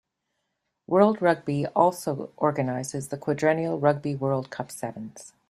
World Rugby also organises the quadrennial Rugby World Cup Sevens.